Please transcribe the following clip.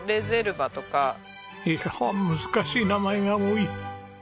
いやあ難しい名前が多い。